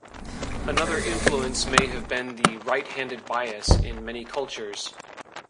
Another influence may have been the right-handed bias in many cultures.